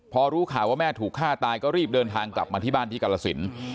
พอรู้ข่าวว่าแม่ถูกฆ่าตายก็รีบเดินทางกลับมาที่บ้านที่กรสิน